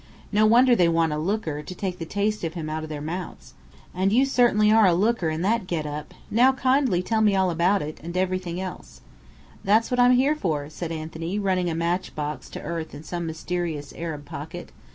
No wonder they want a 'looker' to take the taste of him out of their mouths. And you certainly are a 'looker' in that get up. Now kindly tell me all about it, and everything else." "That's what I'm here for," said Anthony, running a match box to earth in some mysterious Arab pocket.